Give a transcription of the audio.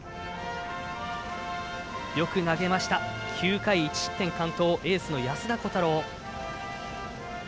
よく投げました、９回１失点完投、エースの安田虎田郎。